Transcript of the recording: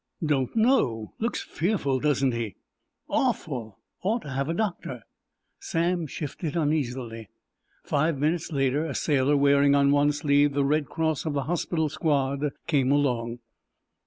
"Don't know. Looks fearful, doesn't he?" "Awful! Ought to have the doctor." Sam shifted uneasily. Five minutes later a sailor wearing on one sleeve the Red Cross of the hospital squad came along.